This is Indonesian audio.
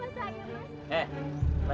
pak kamu pak